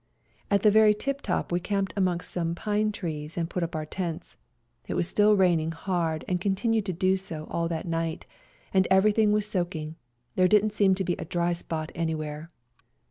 At the very tip top we camped amongst some pine trees and put up our tents ; it was still raining hard and continued to do so all that night, and everything was soaking — there didn't seem to be a dry spot anywhere.